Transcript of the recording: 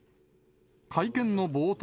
会見の冒頭。